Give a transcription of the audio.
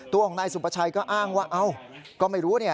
ตัวของนายสุประชัยก็อ้างว่าเอ้าก็ไม่รู้